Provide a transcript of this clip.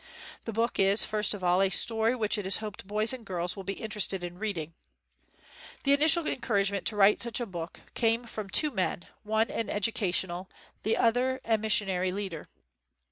The book is first of all a story which it is hoped boys and girls will be interested in reading. The initial encouragement to write such a book came from two men, the one an ed ucational, the other a missionary leader.